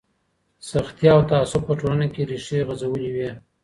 سختي او تعصب په ټولنه کي ريښې غځولې وې.